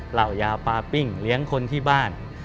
เหล่ายาปลาปิ้งเลี้ยงคนที่บ้าน